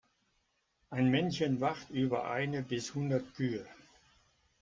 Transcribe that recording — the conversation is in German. Ein Männchen wacht über eine bis hundert Kühe.